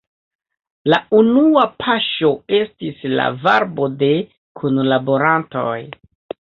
La unua paŝo estis la varbo de kunlaborantoj.